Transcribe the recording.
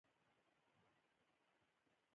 هغه وویل دې ته له مایوسوونکو فکرو څخه تېښته وایي.